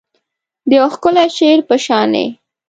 د یو ښکلي شعر په شاني